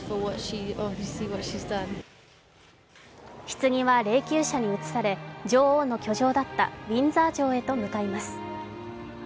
ひつぎは霊きゅう車に移され、女王の居城だったウィンザー城へと向かいます。